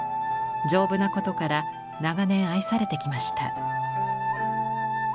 丈夫なことから長年愛されてきました。